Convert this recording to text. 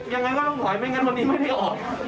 ยังไงก็ต้องถอยไม่งั้นวันนี้มันไม่ออก